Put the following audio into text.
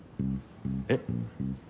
えっ？